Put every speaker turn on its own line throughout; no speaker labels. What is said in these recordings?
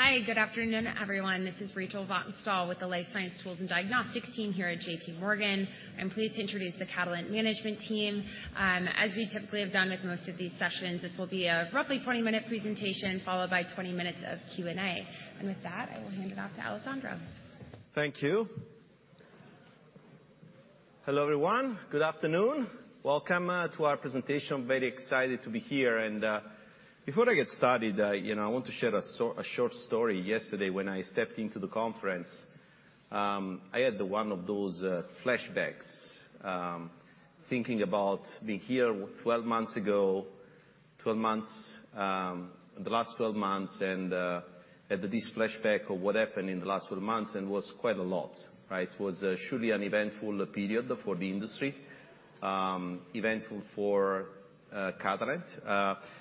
Hi, good afternoon, everyone. This is Rachel Vatnsdal with the Life Science Tools and Diagnostics team here at J.P. Morgan. I'm pleased to introduce the Catalent management team. As we typically have done with most of these sessions, this will be a roughly 20-minute presentation, followed by 20 minutes of Q&A. With that, I will hand it off to Alessandro.
Thank you. Hello, everyone. Good afternoon. Welcome to our presentation. Very excited to be here, and before I get started, you know, I want to share a short story. Yesterday, when I stepped into the conference, I had the one of those flashbacks thinking about being here 12 months ago. 12 months, the last 12 months, and had this flashback of what happened in the last 12 months, and was quite a lot, right? It was surely an eventful period for the industry, eventful for Catalent,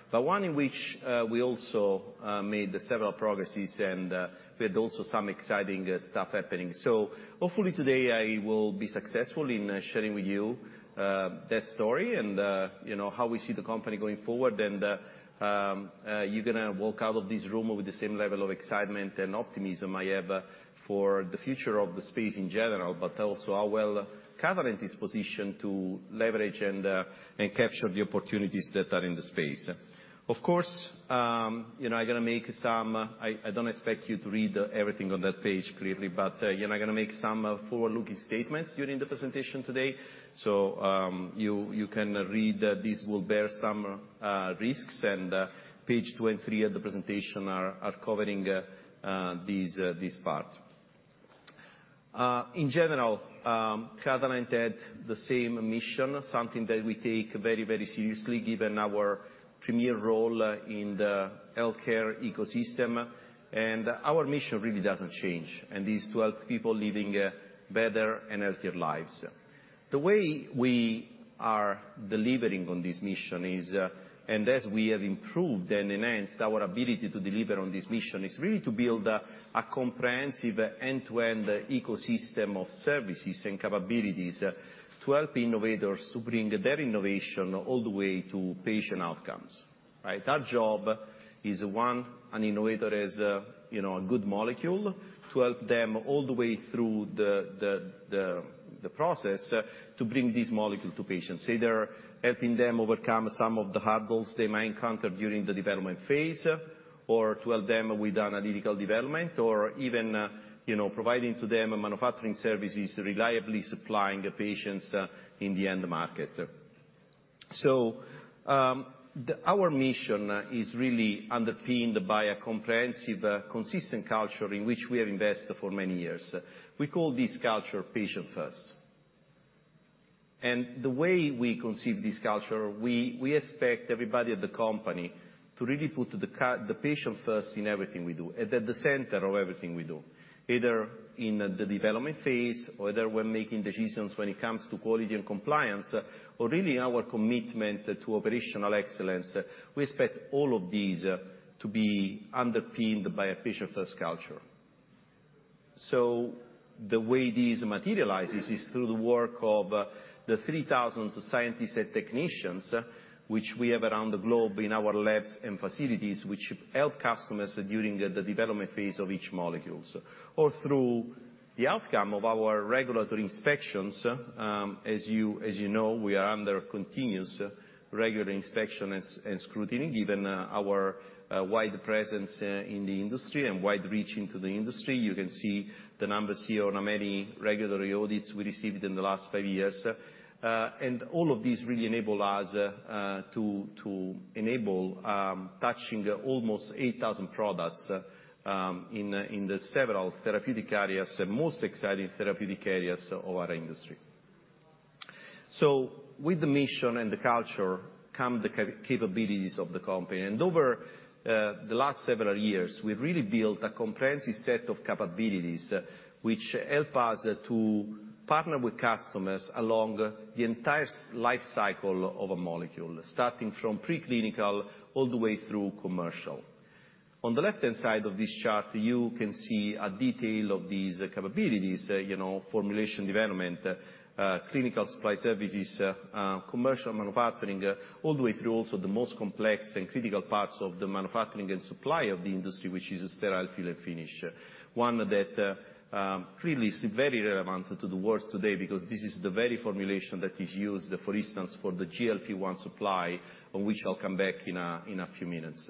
but one in which we also made several progresses and we had also some exciting stuff happening. So hopefully today I will be successful in sharing with you that story and you know, how we see the company going forward. You're gonna walk out of this room with the same level of excitement and optimism I have for the future of the space in general, but also how well Catalent is positioned to leverage and capture the opportunities that are in the space. Of course, you know, I'm gonna make some. I don't expect you to read everything on that page, clearly, but you know, I'm gonna make some forward-looking statements during the presentation today. You can read that this will bear some risks, and page two and three of the presentation are covering this part. In general, Catalent had the same mission, something that we take very, very seriously, given our premier role in the healthcare ecosystem, and our mission really doesn't change, and it's to help people living, better and healthier lives. The way we are delivering on this mission is, and as we have improved and enhanced our ability to deliver on this mission, is really to build a comprehensive end-to-end ecosystem of services and capabilities to help innovators to bring their innovation all the way to patient outcomes, right? Our job is, one, an innovator has a, you know, a good molecule, to help them all the way through the process to bring this molecule to patients, either helping them overcome some of the hurdles they might encounter during the development phase, or to help them with analytical development, or even, you know, providing to them manufacturing services, reliably supplying the patients in the end market. So, our mission is really underpinned by a comprehensive, consistent culture in which we have invested for many years. We call this culture Patient First. The way we conceive this culture, we expect everybody at the company to really put the patient first in everything we do, at the center of everything we do, either in the development phase, whether we're making decisions when it comes to quality and compliance, or really our commitment to operational excellence. We expect all of these to be underpinned by a patient-first culture. So the way this materializes is through the work of the 3,000 scientists and technicians, which we have around the globe in our labs and facilities, which help customers during the development phase of each molecules, or through the outcome of our regulatory inspections. As you know, we are under continuous regular inspection and scrutiny, given our wide presence in the industry and wide reach into the industry. You can see the numbers here on how many regulatory audits we received in the last five years. And all of these really enable us to enable touching almost 8,000 products in the several therapeutic areas, the most exciting therapeutic areas of our industry. So with the mission and the culture come the capabilities of the company. And over the last several years, we've really built a comprehensive set of capabilities, which help us to partner with customers along the entire lifecycle of a molecule, starting from preclinical all the way through commercial. On the left-hand side of this chart, you can see a detail of these capabilities, you know, formulation development, clinical supply services, commercial manufacturing, all the way through also the most complex and critical parts of the manufacturing and supply of the industry, which is a sterile fill and finish. One that clearly is very relevant to the world today, because this is the very formulation that is used, for instance, for the GLP-1 supply, on which I'll come back in a few minutes.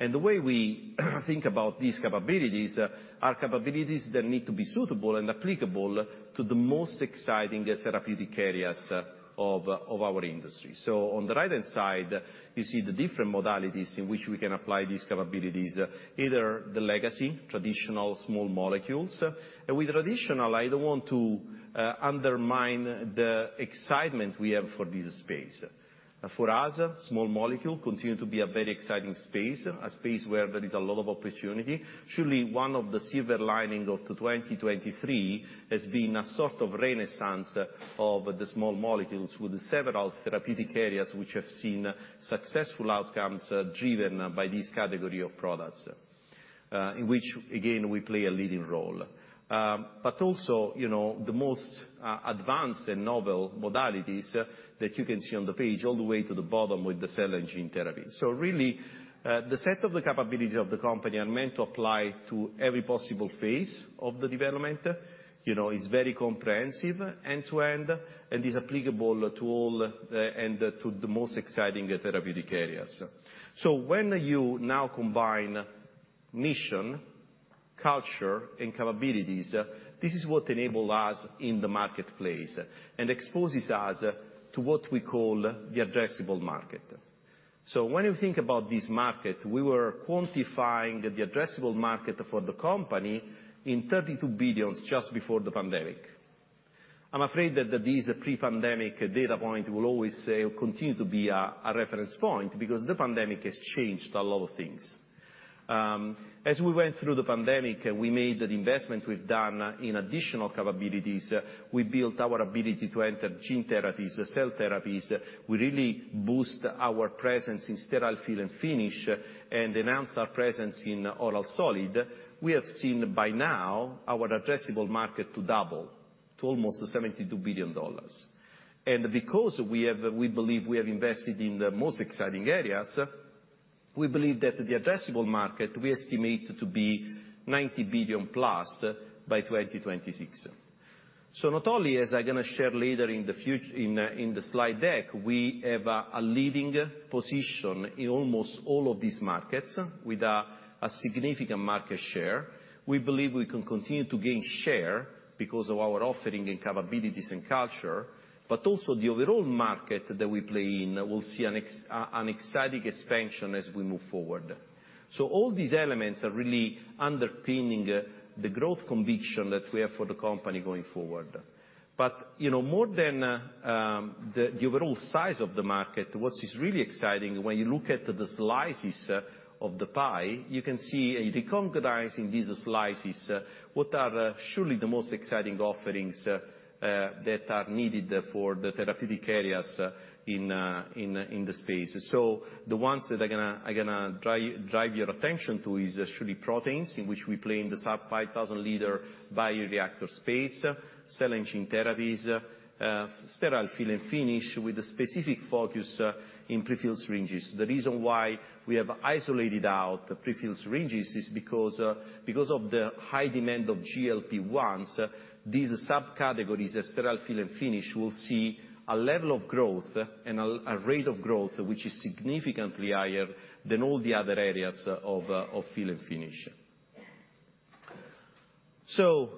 And the way we think about these capabilities are capabilities that need to be suitable and applicable to the most exciting therapeutic areas of our industry. So on the right-hand side, you see the different modalities in which we can apply these capabilities, either the legacy, traditional small molecules. With traditional, I don't want to undermine the excitement we have for this space. For us, small molecule continue to be a very exciting space, a space where there is a lot of opportunity. Surely, one of the silver lining of the 2023 has been a sort of renaissance of the small molecules, with several therapeutic areas which have seen successful outcomes driven by this category of products, in which, again, we play a leading role. But also, you know, the most advanced and novel modalities that you can see on the page, all the way to the bottom, with the cell and gene therapy. So really, the set of the capabilities of the company are meant to apply to every possible phase of the development. You know, it's very comprehensive, end-to-end, and is applicable to all, and to the most exciting therapeutic areas. So when you now combine mission, culture, and capabilities, this is what enable us in the marketplace, and exposes us to what we call the addressable market. So when you think about this market, we were quantifying the addressable market for the company in $32 billion just before the pandemic. I'm afraid that, that this pre-pandemic data point will always, continue to be a, a reference point, because the pandemic has changed a lot of things. As we went through the pandemic, we made the investment we've done in additional capabilities. We built our ability to enter gene therapies, cell therapies. We really boost our presence in sterile fill and finish, and enhance our presence in oral solid. We have seen by now our addressable market to double, to almost $72 billion. And because we believe we have invested in the most exciting areas, we believe that the addressable market, we estimate to be $90 billion+ by 2026. So not only, as I'm gonna share later in the slide deck, we have a leading position in almost all of these markets, with a significant market share. We believe we can continue to gain share because of our offering, and capabilities, and culture, but also the overall market that we play in, we'll see an exciting expansion as we move forward. So all these elements are really underpinning the growth conviction that we have for the company going forward. But, you know, more than the overall size of the market, what is really exciting when you look at the slices of the pie, you can see, deconstructing these slices, what are surely the most exciting offerings that are needed for the therapeutic areas in the space. So the ones that I'm gonna drive your attention to is surely proteins, in which we play in the sub 5,000 litre bioreactor space, cell and gene therapies, sterile fill and finish, with a specific focus in prefilled syringes. The reason why we have isolated out the prefilled syringes is because of the high demand of GLP-1s. These sub-categories of sterile fill and finish will see a level of growth, and a rate of growth, which is significantly higher than all the other areas of fill and finish. So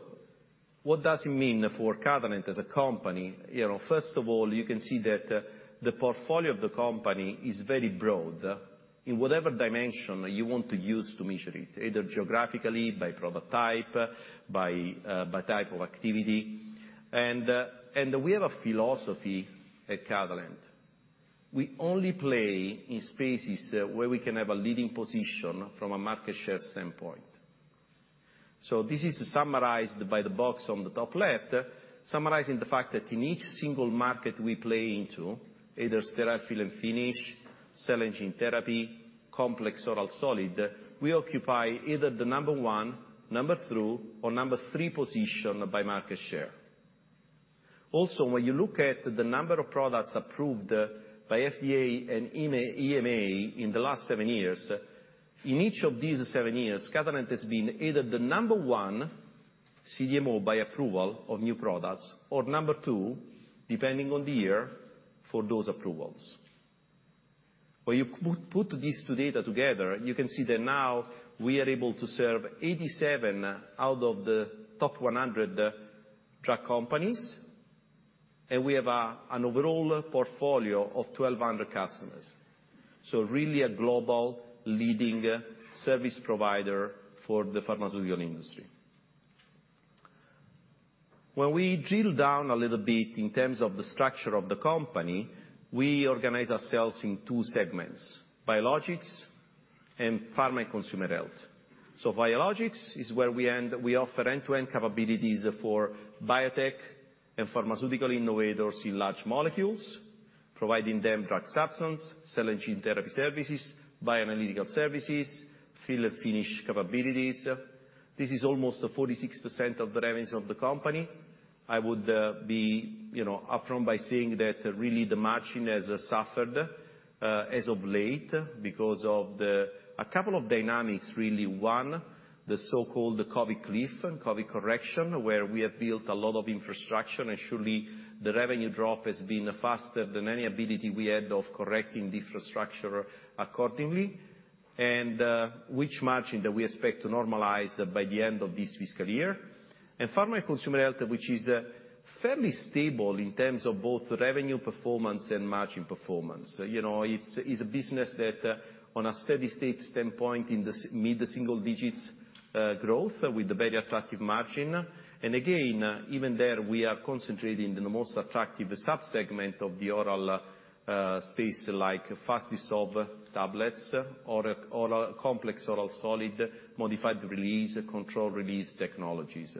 what does it mean for Catalent as a company? You know, first of all, you can see that the portfolio of the company is very broad in whatever dimension you want to use to measure it, either geographically, by product type, by type of activity. And we have a philosophy at Catalent. We only play in spaces where we can have a leading position from a market share standpoint. So this is summarized by the box on the top left, summarizing the fact that in each single market we play into, either sterile fill and finish, cell and gene therapy, complex oral solid, we occupy either the number one, number two, or number three position by market share. Also, when you look at the number of products approved by FDA and EMA, EMA in the last seven years, in each of these seven years, Catalent has been either the number one CDMO by approval of new products, or number two, depending on the year, for those approvals. When you put this data together, you can see that now we are able to serve 87 out of the top 100 drug companies, and we have an overall portfolio of 1,200 customers. So really a global leading service provider for the pharmaceutical industry. When we drill down a little bit in terms of the structure of the company, we organize ourselves in two segments: biologics and pharma consumer health. So biologics is where we offer end-to-end capabilities for biotech and pharmaceutical innovators in large molecules, providing them drug substance, cell and gene therapy services, bioanalytical services, fill and finish capabilities. This is almost 46% of the revenues of the company. I would, you know, be upfront by saying that really the margin has suffered as of late because of the—a couple of dynamics really. One, the so-called COVID cliff, COVID correction, where we have built a lot of infrastructure, and surely the revenue drop has been faster than any ability we had of correcting the infrastructure accordingly, and which margin that we expect to normalize by the end of this fiscal year. Pharma consumer health, which is fairly stable in terms of both revenue performance and margin performance. You know, it's a business that, on a steady state standpoint, in the mid-single digits, growth, with a very attractive margin. Again, even there, we are concentrating in the most attractive sub-segment of the oral space, like fast dissolve tablets, oral complex oral solid, modified release, control release technologies.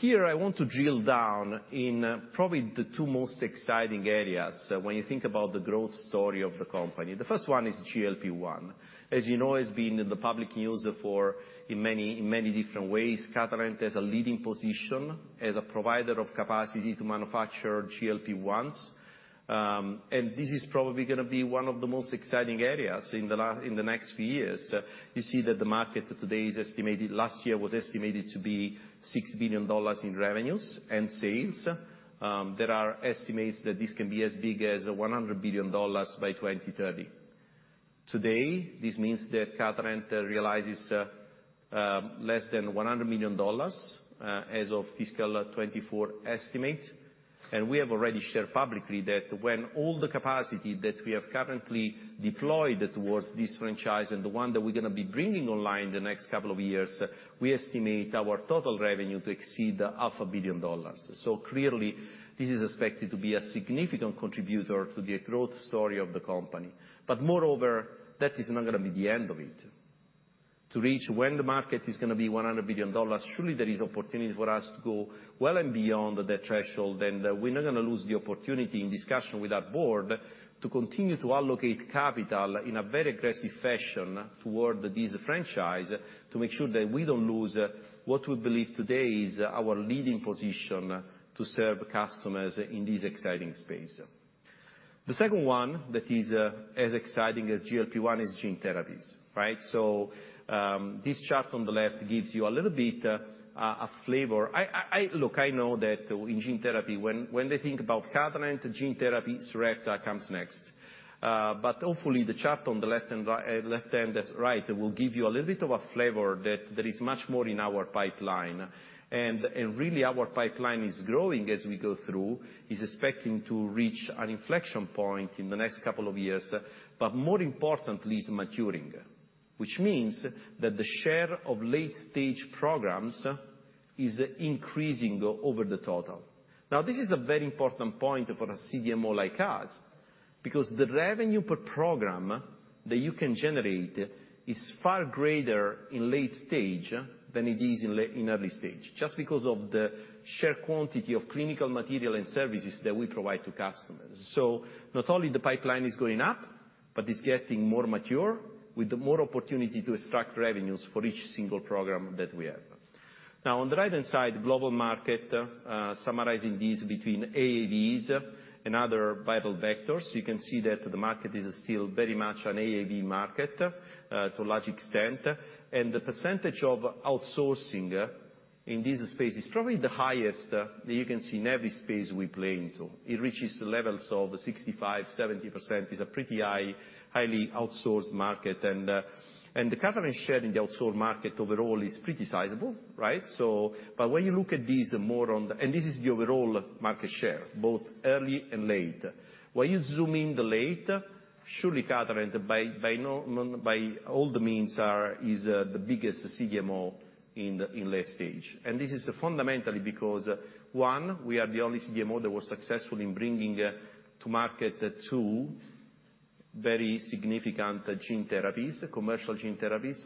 Here I want to drill down in probably the two most exciting areas when you think about the growth story of the company. The first one is GLP-1. As you know, it's been in the public news before, in many, in many different ways. Catalent has a leading position as a provider of capacity to manufacture GLP-1s. And this is probably gonna be one of the most exciting areas in the next few years. You see that the market today is estimated, last year was estimated to be $6 billion in revenues and sales. There are estimates that this can be as big as $100 billion by 2030. Today, this means that Catalent realizes less than $100 million, as of fiscal 2024 estimate. And we have already shared publicly that when all the capacity that we have currently deployed towards this franchise, and the one that we're gonna be bringing online in the next couple of years, we estimate our total revenue to exceed $0.5 billion. So clearly, this is expected to be a significant contributor to the growth story of the company. But moreover, that is not gonna be the end of it. To reach when the market is gonna be $100 billion, surely there is opportunity for us to go well and beyond that threshold, and we're not gonna lose the opportunity in discussion with our board, to continue to allocate capital in a very aggressive fashion toward this franchise, to make sure that we don't lose what we believe today is our leading position to serve customers in this exciting space. The second one, that is, as exciting as GLP-1, is gene therapies, right? So, this chart on the left gives you a little bit, a flavor. Look, I know that in gene therapy, when they think about Catalent gene therapy, Sarepta comes next. But hopefully, the chart on the left-hand side, that's right, will give you a little bit of a flavor that there is much more in our pipeline. And really, our pipeline is growing as we go through, is expecting to reach an inflection point in the next couple of years, but more importantly, is maturing. Which means that the share of late-stage programs is increasing over the total. Now, this is a very important point for a CDMO like us, because the revenue per program that you can generate is far greater in late stage than it is in early stage, just because of the sheer quantity of clinical material and services that we provide to customers. So not only the pipeline is going up, but it's getting more mature, with more opportunity to extract revenues for each single program that we have. Now, on the right-hand side, global market, summarizing these between AAVs and other viral vectors, you can see that the market is still very much an AAV market, to a large extent. And the percentage of outsourcing in this space is probably the highest that you can see in every space we play into. It reaches levels of 65%-70%, is a pretty high, highly outsourced market. And the Catalent share in the outsourced market overall is pretty sizable, right? So but when you look at this more on the. And this is the overall market share, both early and late. When you zoom in the late, surely Catalent, by all the means, is the biggest CDMO in the, in late stage. And this is fundamentally because, one, we are the only CDMO that was successful in bringing to market two very significant gene therapies, commercial gene therapies,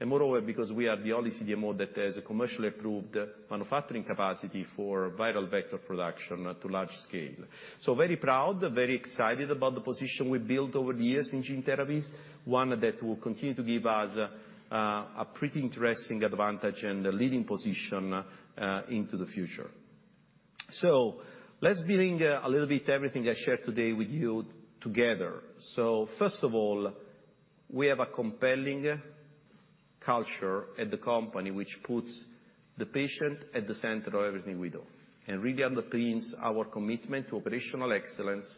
and moreover, because we are the only CDMO that has a commercially approved manufacturing capacity for viral vector production to large scale. So very proud, very excited about the position we built over the years in gene therapies, one that will continue to give us a pretty interesting advantage and a leading position into the future. So let's bring a little bit everything I shared today with you together. So first of all, we have a compelling culture at the company, which puts the patient at the center of everything we do, and really underpins our commitment to operational excellence,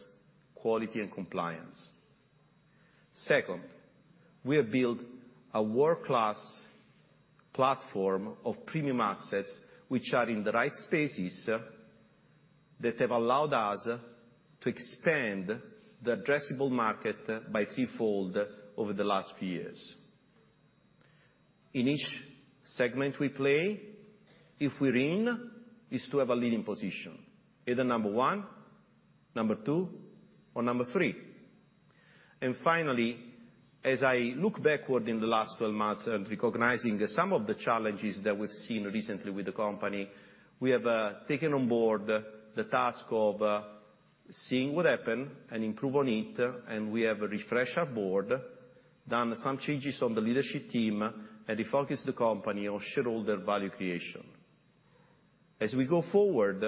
quality, and compliance. Second, we have built a world-class platform of premium assets, which are in the right spaces, that have allowed us to expand the addressable market by threefold over the last few years. In each segment we play, if we're in, is to have a leading position, either number one, number two, or number three. And finally, as I look backward in the last twelve months and recognizing some of the challenges that we've seen recently with the company, we have taken on board the task of seeing what happened and improve on it, and we have refreshed our board, done some changes on the leadership team, and refocus the company on shareholder value creation. As we go forward,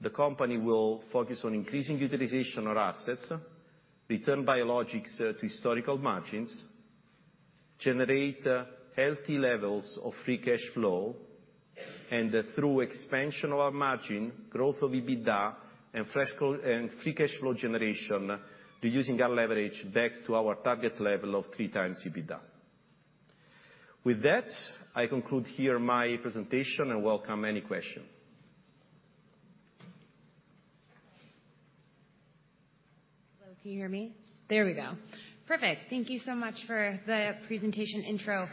the company will focus on increasing utilization of assets, return biologics to historical margins, generate healthy levels of free cash flow, and through expansion of our margin, growth of EBITDA, and fresh co- and free cash flow generation, reducing our leverage back to our target level of three times EBITDA. With that, I conclude here my presentation and welcome any question.
Hello, can you hear me? There we go. Perfect. Thank you so much for the presentation intro.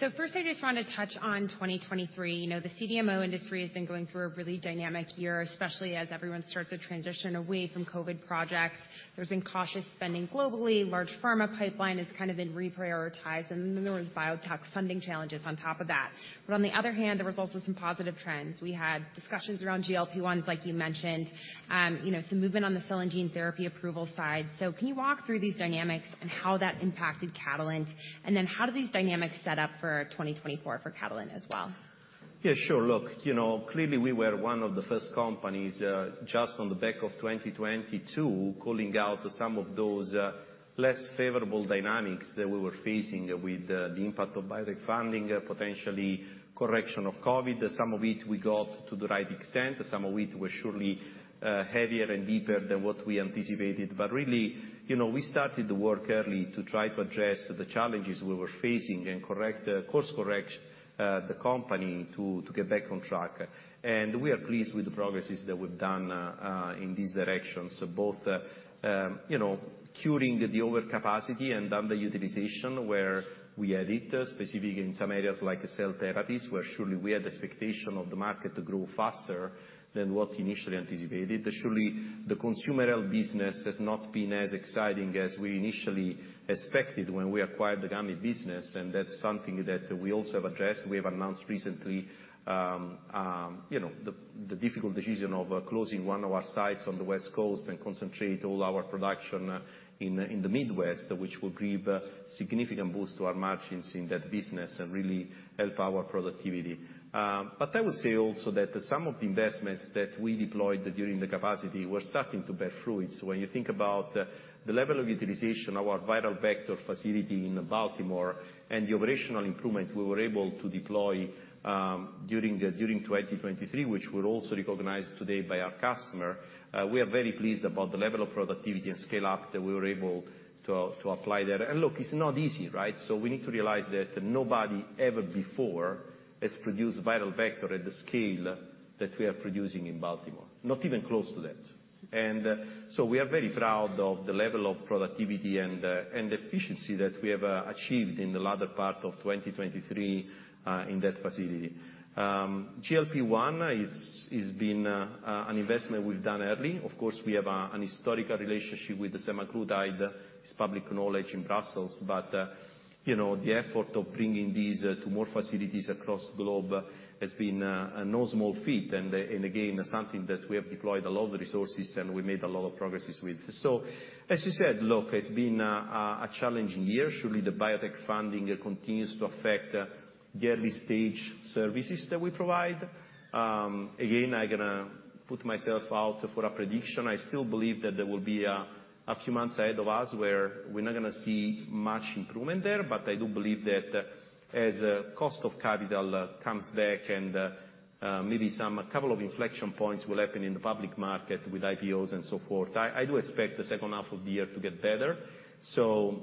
So first, I just want to touch on 2023. You know, the CDMO industry has been going through a really dynamic year, especially as everyone starts to transition away from COVID projects. There's been cautious spending globally. Large pharma pipeline has kind of been reprioritized, and then there was biotech funding challenges on top of that. But on the other hand, there was also some positive trends. We had discussions around GLP-1s, like you mentioned, you know, some movement on the cell and gene therapy approval side. So can you walk through these dynamics and how that impacted Catalent? And then how do these dynamics set up for 2024 for Catalent as well?
Yeah, sure. Look, you know, clearly, we were one of the first companies, just on the back of 2022, calling out some of those, less favorable dynamics that we were facing with, the impact of biotech funding, potentially correction of COVID. Some of it we got to the right extent, some of it was surely, heavier and deeper than what we anticipated. But really, you know, we started the work early to try to address the challenges we were facing and correct, course-correct, the company to, to get back on track. And we are pleased with the progresses that we've done, in these directions, both, you know, curing the overcapacity and underutilization where we had it, specifically in some areas like cell therapies, where surely we had expectation of the market to grow faster than what initially anticipated. Surely, the consumer health business has not been as exciting as we initially expected when we acquired the gummy business, and that's something that we also have addressed. We have announced recently, you know, the difficult decision of closing one of our sites on the West Coast and concentrate all our production in the Midwest, which will give significant boost to our margins in that business and really help our productivity. But I would say also that some of the investments that we deployed during the capacity were starting to bear fruit. So when you think about the level of utilization, our viral vector facility in Baltimore and the operational improvement we were able to deploy during 2023, which were also recognized today by our customer, we are very pleased about the level of productivity and scale-up that we were able to apply there. And look, it's not easy, right? So we need to realize that nobody ever before has produced viral vector at the scale that we are producing in Baltimore, not even close to that. And so we are very proud of the level of productivity and efficiency that we have achieved in the latter part of 2023 in that facility. GLP-1 is been an investment we've done early. Of course, we have an historical relationship with the semaglutide. It's public knowledge in Brussels, but, you know, the effort of bringing these to more facilities across the globe has been a no small feat, and, and again, something that we have deployed a lot of resources, and we made a lot of progresses with. So, as you said, look, it's been a challenging year. Surely, the biotech funding continues to affect the early-stage services that we provide. Again, I'm gonna put myself out for a prediction. I still believe that there will be a few months ahead of us where we're not gonna see much improvement there, but I do believe that, as cost of capital comes back and, maybe some couple of inflection points will happen in the public market with IPOs and so forth. I do expect the second half of the year to get better. So,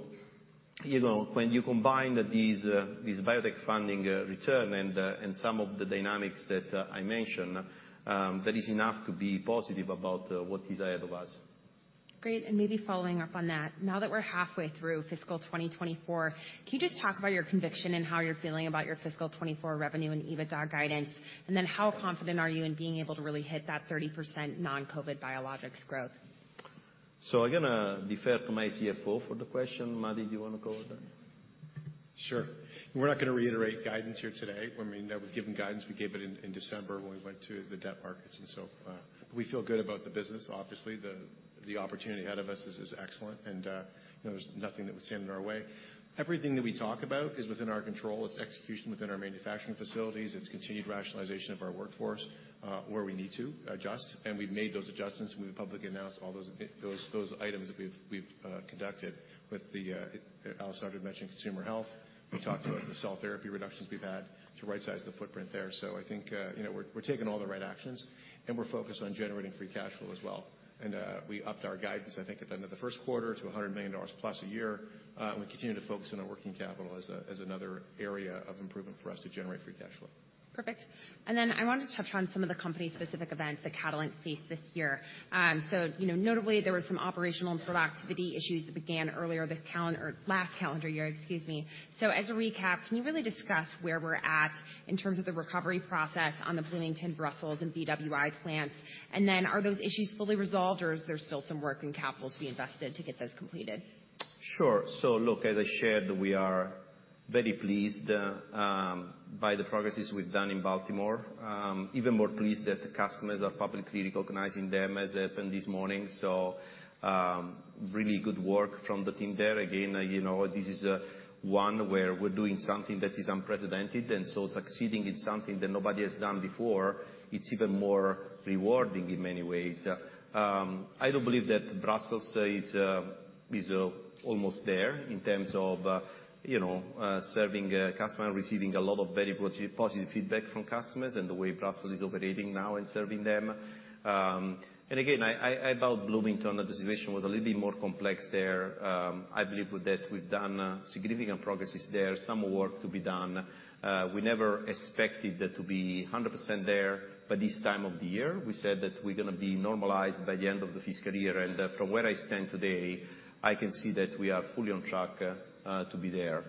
you know, when you combine these, these biotech funding return and some of the dynamics that I mentioned, that is enough to be positive about what is ahead of us.
Great. Maybe following up on that, now that we're halfway through fiscal 2024, can you just talk about your conviction and how you're feeling about your fiscal 2024 revenue and EBITDA guidance? Then how confident are you in being able to really hit that 30% non-COVID biologics growth?
I'm gonna defer to my CFO for the question. Matti, do you want to go with that?
Sure. We're not going to reiterate guidance here today. I mean, we've given guidance, we gave it in December when we went to the debt markets, and so we feel good about the business. Obviously, the opportunity ahead of us is excellent and you know, there's nothing that would stand in our way. Everything that we talk about is within our control. It's execution within our manufacturing facilities, it's continued rationalization of our workforce where we need to adjust. And we've made those adjustments, and we've publicly announced all those items that we've conducted. With the Alessandro mentioned consumer health. We talked about the cell therapy reductions we've had to right-size the footprint there. So I think you know, we're taking all the right actions, and we're focused on generating free cash flow as well. We upped our guidance, I think, at the end of the first quarter to $100 million plus a year. We continue to focus on our working capital as another area of improvement for us to generate free cash flow.
Perfect. And then I wanted to touch on some of the company-specific events that Catalent faced this year. So you know, notably, there were some operational and productivity issues that began earlier this or last calendar year, excuse me. So as a recap, can you really discuss where we're at in terms of the recovery process on the Bloomington, Brussels, and BWI plants? And then are those issues fully resolved, or is there still some working capital to be invested to get those completed?
Sure. So look, as I shared, we are very pleased by the progresses we've done in Baltimore. Even more pleased that the customers are publicly recognizing them, as happened this morning. So, really good work from the team there. Again, you know, this is one where we're doing something that is unprecedented, and so succeeding in something that nobody has done before, it's even more rewarding in many ways. I do believe that Brussels is almost there in terms of you know serving customer and receiving a lot of very positive feedback from customers and the way Brussels is operating now and serving them. And again, about Bloomington, the situation was a little bit more complex there. I believe with that, we've done significant progresses there, some work to be done. We never expected that to be 100% there by this time of the year. We said that we're gonna be normalized by the end of the fiscal year, and from where I stand today, I can see that we are fully on track to be there.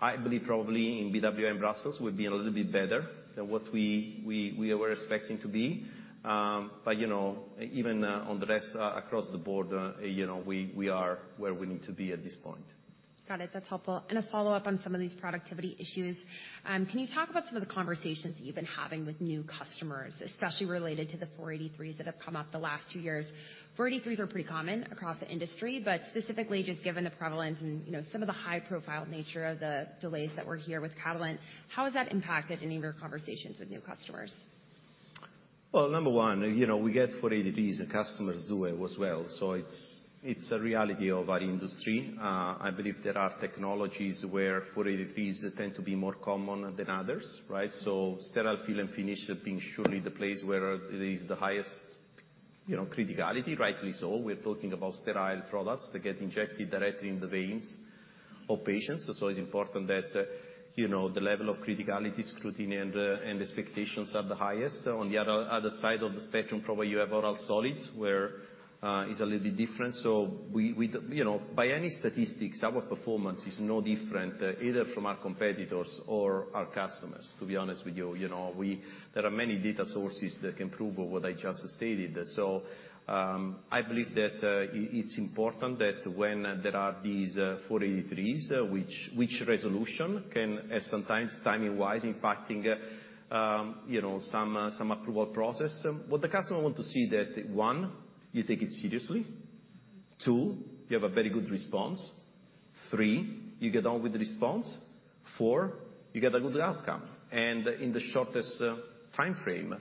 I believe probably in BWI and Brussels, we've been a little bit better than what we were expecting to be. But you know, even on the rest across the board, you know, we are where we need to be at this point.
Got it, that's helpful. And a follow-up on some of these productivity issues. Can you talk about some of the conversations that you've been having with new customers, especially related to the Form 483s that have come up the last two years? Form 483s are pretty common across the industry, but specifically just given the prevalence and, you know, some of the high-profile nature of the delays that we're here with Catalent, how has that impacted any of your conversations with new customers?
Well, number one, you know, we get Form 483s, the customers do it as well, so it's a reality of our industry. I believe there are technologies where Form 483s tend to be more common than others, right? So sterile fill and finish being surely the place where it is the highest, you know, criticality, rightly so. We're talking about sterile products that get injected directly in the veins of patients. So it's important that, you know, the level of criticality, scrutiny, and expectations are the highest. On the other side of the spectrum, probably you have oral solids, where it's a little bit different. So we, you know, by any statistics, our performance is no different either from our competitors or our customers, to be honest with you. You know, there are many data sources that can prove what I just stated. So, I believe that it's important that when there are these Form 483s, which resolution can sometimes timing-wise impacting you know some some approval process. What the customer want to see that, one, you take it seriously; two, you have a very good response; three, you get on with the response; four, you get a good outcome, and in the shortest time frame.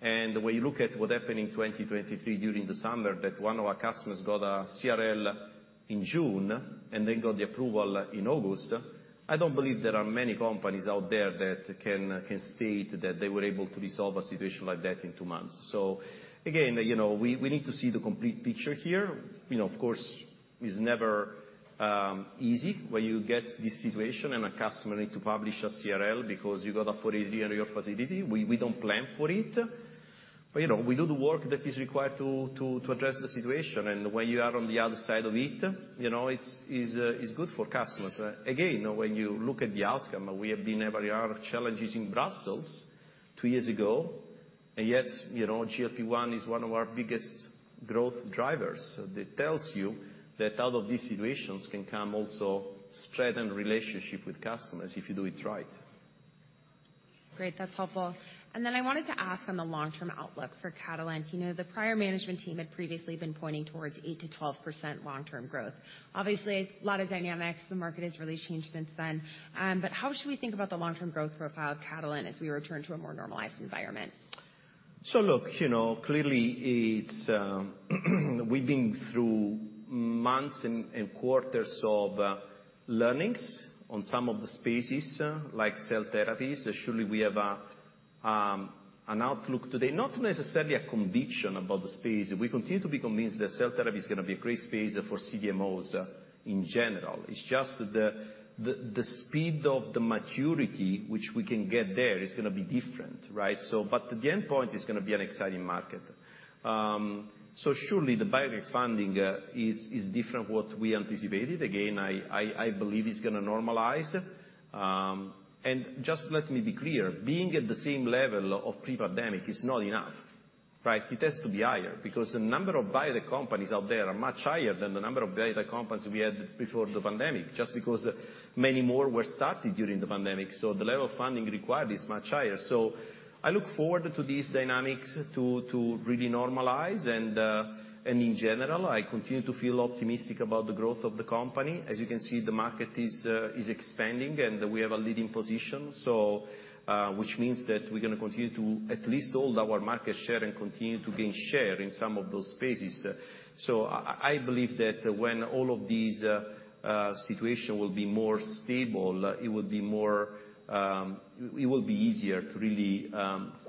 And when you look at what happened in 2023 during the summer, that one of our customers got a CRL in June, and then got the approval in August, I don't believe there are many companies out there that can state that they were able to resolve a situation like that in two months. So again, you know, we need to see the complete picture here. You know, of course, it's never easy when you get this situation and a customer needs to publish a CRL because you got a Form 483 in your facility. We don't plan for it, but, you know, we do the work that is required to address the situation. And when you are on the other side of it, you know, it's good for customers. Again, when you look at the outcome, we have been having our challenges in Brussels two years ago, and yet, you know, GLP-1 is one of our biggest growth drivers. That tells you that out of these situations can come also strengthened relationships with customers if you do it right.
Great, that's helpful. And then I wanted to ask on the long-term outlook for Catalent. You know, the prior management team had previously been pointing towards 8%-12% long-term growth. Obviously, a lot of dynamics, the market has really changed since then. But how should we think about the long-term growth profile of Catalent as we return to a more normalized environment?
So look, you know, clearly it's, we've been through months and quarters of learnings on some of the spaces, like cell therapies. Surely we have an outlook today, not necessarily a conviction about the space. We continue to be convinced that cell therapy is gonna be a great space for CDMOs in general. It's just the speed of the maturity which we can get there is gonna be different, right? So but the endpoint is gonna be an exciting market. So surely the biotech funding is different what we anticipated. Again, I believe it's gonna normalize. And just let me be clear, being at the same level of pre-pandemic is not enough, right? It has to be higher, because the number of biotech companies out there are much higher than the number of biotech companies we had before the pandemic, just because many more were started during the pandemic, so the level of funding required is much higher. So I look forward to these dynamics to really normalize, and in general, I continue to feel optimistic about the growth of the company. As you can see, the market is expanding, and we have a leading position, so which means that we're gonna continue to at least hold our market share and continue to gain share in some of those spaces. So I believe that when all of these situation will be more stable, it will be more. It will be easier to really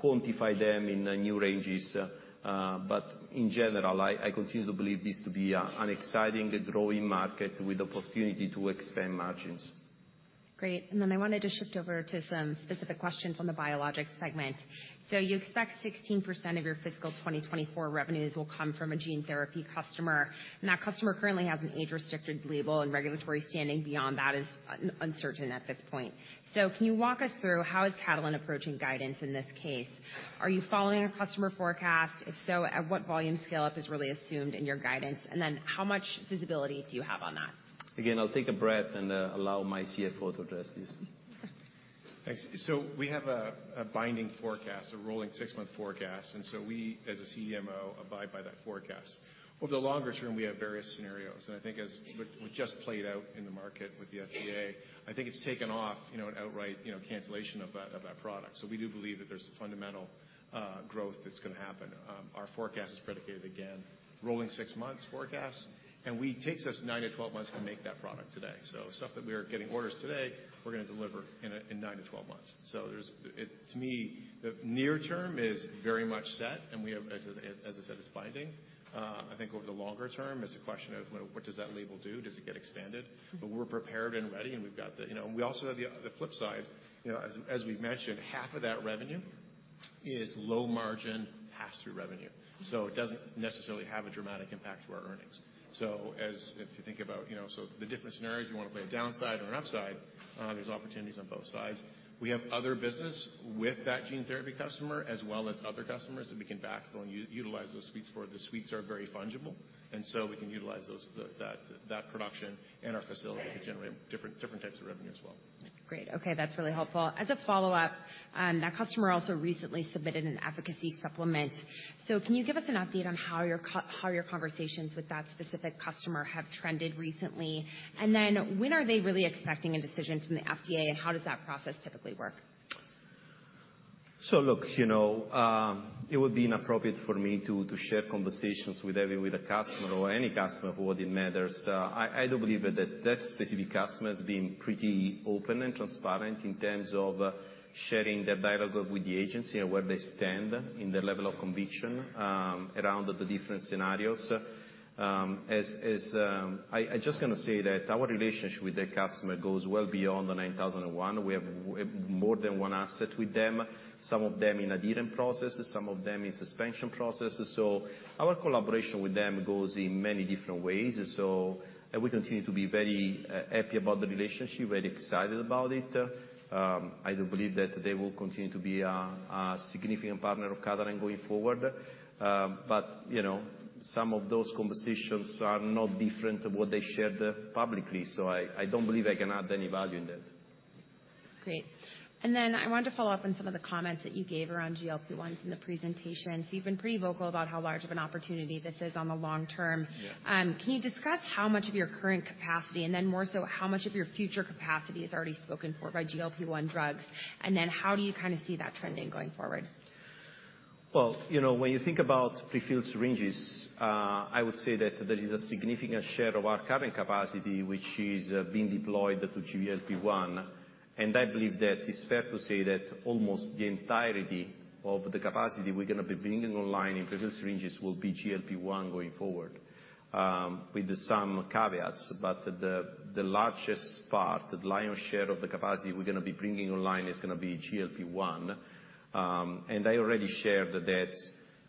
quantify them in new ranges. But in general, I continue to believe this to be an exciting growing market with the opportunity to expand margins.
Great. And then I wanted to shift over to some specific questions on the biologics segment. So you expect 16% of your fiscal 2024 revenues will come from a gene therapy customer, and that customer currently has an age-restricted label, and regulatory standing beyond that is uncertain at this point. So can you walk us through how is Catalent approaching guidance in this case? Are you following a customer forecast? If so, at what volume scale-up is really assumed in your guidance, and then how much visibility do you have on that?
Again, I'll take a breath and allow my CFO to address this.
Thanks. So we have a binding forecast, a rolling 6-month forecast, and so we, as a CDMO, abide by that forecast. Over the longer term, we have various scenarios, and I think as what just played out in the market with the FDA, I think it's taken off, you know, an outright, you know, cancellation of that, of that product. So we do believe that there's fundamental growth that's gonna happen. Our forecast is predicated, again, rolling 6-month forecast, and we—it takes us 9 months-12 months to make that product today. So stuff that we are getting orders today, we're gonna deliver in 9 months-12 months. So there's, to me, the near term is very much set, and we have, as, as I said, it's binding. I think over the longer term, it's a question of what does that label do? Does it get expanded? But we're prepared and ready, and we've got the, you know. We also have the flip side. You know, as we've mentioned, half of that revenue is low margin pass-through revenue, so it doesn't necessarily have a dramatic impact to our earnings. So if you think about, you know, so the different scenarios, you wanna play a downside or an upside, there's opportunities on both sides. We have other business with that gene therapy customer, as well as other customers, that we can backfill and utilize those suites for. The suites are very fungible, and so we can utilize those, that production in our facility to generate different types of revenue as well.
Great. Okay, that's really helpful. As a follow-up, that customer also recently submitted an efficacy supplement. So can you give us an update on how your conversations with that specific customer have trended recently? And then, when are they really expecting a decision from the FDA, and how does that process typically work?
So look, you know, it would be inappropriate for me to share conversations with every—with a customer or any customer for what it matters. I do believe that specific customer has been pretty open and transparent in terms of sharing their dialogue with the agency and where they stand in their level of conviction around the different scenarios. I just gonna say that our relationship with that customer goes well beyond the 9001. We have more than one asset with them, some of them in adherent processes, some of them in suspension processes. So our collaboration with them goes in many different ways. So we continue to be very happy about the relationship, very excited about it. I do believe that they will continue to be a significant partner of Catalent going forward. But, you know, some of those conversations are not different than what they shared publicly, so I don't believe I can add any value in that.
Great. I wanted to follow up on some of the comments that you gave around GLP-1s in the presentation. You've been pretty vocal about how large of an opportunity this is on the long term.
Yeah.
Can you discuss how much of your current capacity, and then more so how much of your future capacity is already spoken for by GLP-1 drugs? How do you kind of see that trending going forward?
Well, you know, when you think about prefilled syringes, I would say that there is a significant share of our current capacity, which is being deployed to GLP-1. And I believe that it's fair to say that almost the entirety of the capacity we're gonna be bringing online in prefilled syringes will be GLP-1 going forward, with some caveats. But the largest part, the lion's share of the capacity we're gonna be bringing online is gonna be GLP-1. And I already shared that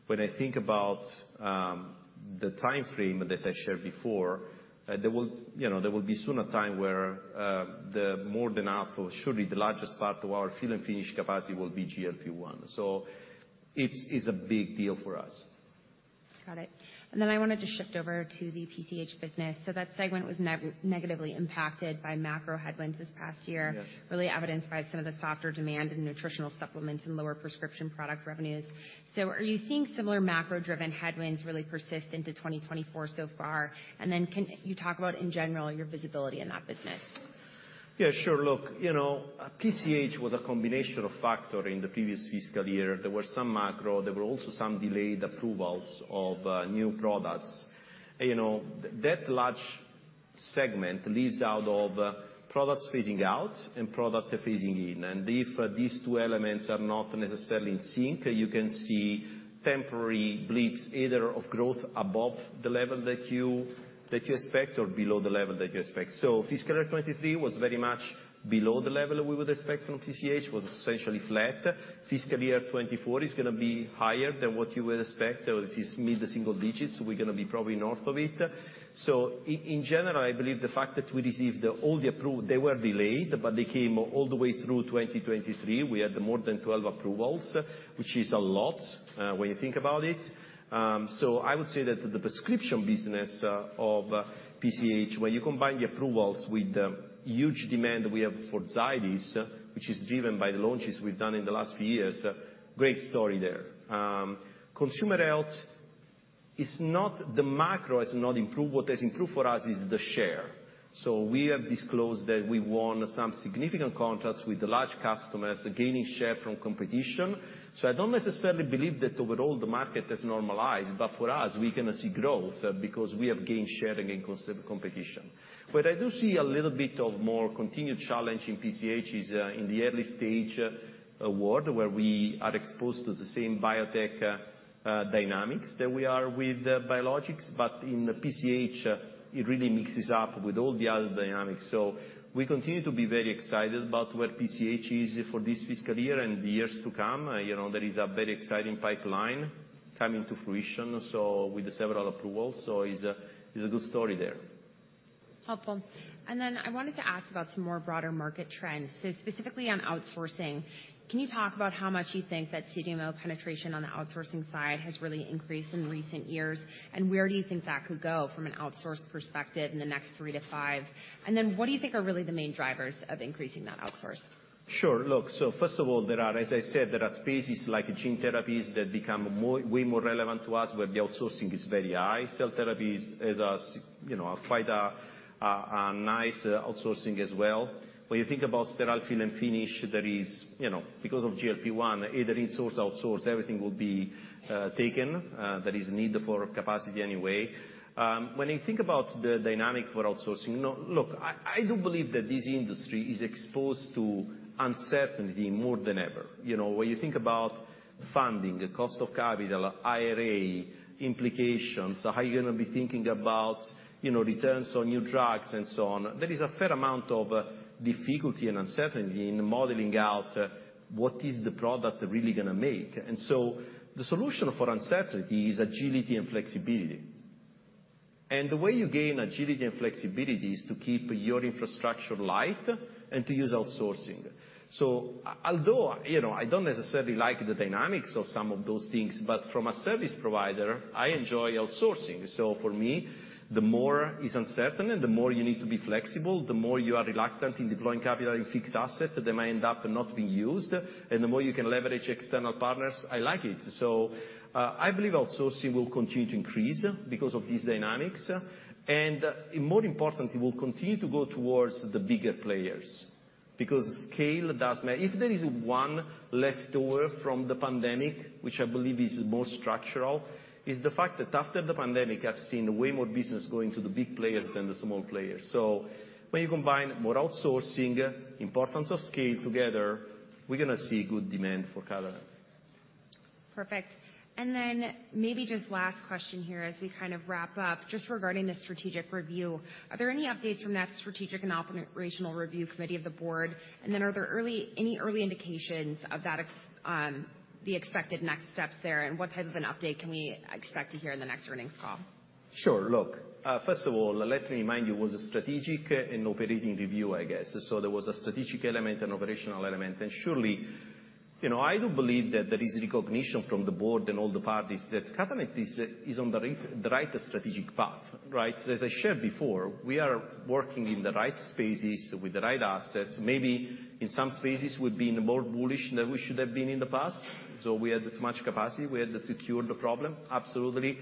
when I think about the time frame that I shared before, there will, you know, there will be soon a time where the more than half, or surely the largest part of our fill and finish capacity, will be GLP-1. So it's a big deal for us.
Got it. And then I wanted to shift over to the PCH business. So that segment was negatively impacted by macro headwinds this past year, really evidenced by some of the softer demand in nutritional supplements and lower prescription product revenues. So are you seeing similar macro-driven headwinds really persist into 2024 so far? And then can you talk about, in general, your visibility in that business?
Yeah, sure. Look, you know, PCH was a combination of factor in the previous fiscal year. There were some macro, there were also some delayed approvals of new products. You know, that large segment leaves out of products phasing out and product phasing in, and if these two elements are not necessarily in sync, you can see temporary blips, either of growth above the level that you expect or below the level that you expect. So fiscal year 2023 was very much below the level we would expect from PCH, was essentially flat. Fiscal year 2024 is gonna be higher than what you would expect, or it is mid-single digits, so we're gonna be probably north of it. So in general, I believe the fact that we received all the approved. They were delayed, but they came all the way through 2023. We had more than 12 approvals, which is a lot, when you think about it. So I would say that the prescription business of PCH, when you combine the approvals with the huge demand we have for Zydis, which is driven by the launches we've done in the last few years, great story there. Consumer health is not, the macro has not improved. What has improved for us is the share. So we have disclosed that we won some significant contracts with the large customers, gaining share from competition. So I don't necessarily believe that overall the market has normalized, but for us, we're gonna see growth, because we have gained sharing against the competition. What I do see a little bit of more continued challenge in PCH is in the early stage award, where we are exposed to the same biotech dynamics that we are with biologics, but in PCH, it really mixes up with all the other dynamics. So we continue to be very excited about where PCH is for this fiscal year and the years to come. You know, there is a very exciting pipeline coming to fruition, so with several approvals, so is a, is a good story there.
Helpful. Then I wanted to ask about some more broader market trends. Specifically on outsourcing, can you talk about how much you think that CDMO penetration on the outsourcing side has really increased in recent years? And where do you think that could go from an outsource perspective in the next 3 years-5 years? And then, what do you think are really the main drivers of increasing that outsource?
Sure. Look, so first of all, there are, as I said, there are spaces like gene therapies that become more way more relevant to us, where the outsourcing is very high. Cell therapies is a, you know, quite a nice outsourcing as well. When you think about Sterile Fill and Finish, there is, you know, because of GLP-1, either insource, outsource, everything will be taken. There is need for capacity anyway. When you think about the dynamic for outsourcing, you know, look, I do believe that this industry is exposed to uncertainty more than ever. You know, when you think about funding, the cost of capital, IRA implications, how you're gonna be thinking about, you know, returns on new drugs, and so on, there is a fair amount of difficulty and uncertainty in modeling out what is the product really gonna make. And so the solution for uncertainty is agility and flexibility. And the way you gain agility and flexibility is to keep your infrastructure light and to use outsourcing. So although, you know, I don't necessarily like the dynamics of some of those things, but from a service provider, I enjoy outsourcing. So for me, the more is uncertain and the more you need to be flexible, the more you are reluctant in deploying capital in fixed asset that they may end up not being used, and the more you can leverage external partners, I like it. So, I believe outsourcing will continue to increase because of these dynamics, and more importantly, will continue to go towards the bigger players, because scale does matter. If there is one leftover from the pandemic, which I believe is more structural, is the fact that after the pandemic, I've seen way more business going to the big players than the small players. So when you combine more outsourcing, importance of scale together, we're gonna see good demand for Catalent.
Perfect. And then maybe just last question here as we kind of wrap up, just regarding the strategic review. Are there any updates from that strategic and operational review committee of the board? And then are there any early indications of the expected next steps there, and what type of an update can we expect to hear in the next earnings call?
Sure. Look, first of all, let me remind you, it was a strategic and operating review, I guess. So there was a strategic element and operational element, and surely, you know, I do believe that there is recognition from the board and all the parties that Catalent is on the right strategic path, right? As I shared before, we are working in the right spaces with the right assets. Maybe in some spaces, we've been more bullish than we should have been in the past, so we had too much capacity. We had to cure the problem. Absolutely,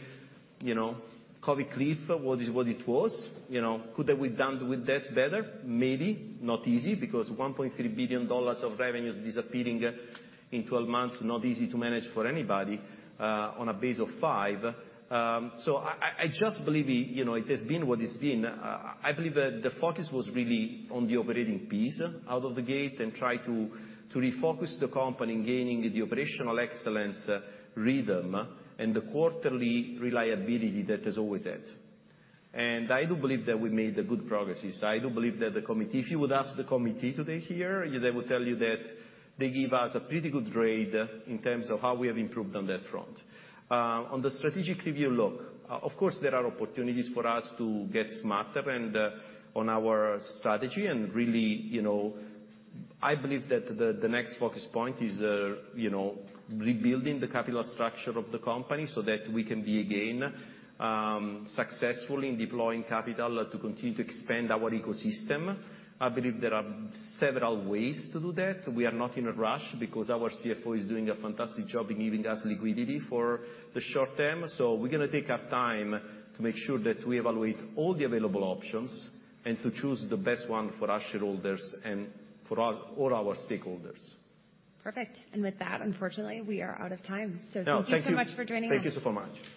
you know, COVID cliff was is what it was. You know, could have we done with that better? Maybe. Not easy, because $1.3 billion of revenues disappearing in 12 months, not easy to manage for anybody, on a base of five. So I just believe, you know, it has been what it's been. I believe that the focus was really on the operating piece out of the gate and try to refocus the company in gaining the operational excellence, rhythm, and the quarterly reliability that is always there. And I do believe that we made a good progress. I do believe that the committee—If you would ask the committee today here, they would tell you that they give us a pretty good grade in terms of how we have improved on that front. On the strategic review, look, of course, there are opportunities for us to get smarter and on our strategy, and really, you know, I believe that the next focus point is, you know, rebuilding the capital structure of the company so that we can be, again, successful in deploying capital to continue to expand our ecosystem. I believe there are several ways to do that. We are not in a rush because our CFO is doing a fantastic job in giving us liquidity for the short term. So we're gonna take our time to make sure that we evaluate all the available options and to choose the best one for our shareholders and for all our stakeholders.
Perfect. With that, unfortunately, we are out of time.
No, thank you.
Thank you so much for joining us.
Thank you so much.